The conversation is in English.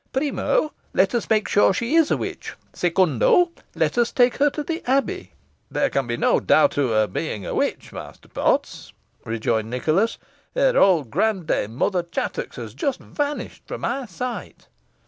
"Primo, let us make sure she is a witch secundo, let us take her to the Abbey." "There can be no doubt as to her being a witch, Master Potts," rejoined Nicholas; "her old grand dame, Mother Chattox, has just vanished from our sight."